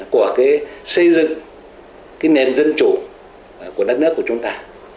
của cái xây dựng cái nền dân chủ của đất nước của chúng ta